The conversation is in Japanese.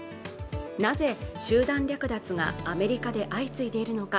なぜ集団略奪がアメリカで相次いでいるのか。